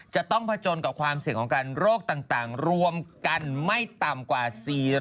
จะต้องผจญกับความเสี่ยงของการโรคต่างรวมกันไม่ต่ำกว่า๔๐๐